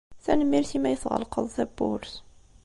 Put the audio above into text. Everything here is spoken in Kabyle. Tanemmirt imi ay tɣelqeḍ tawwurt.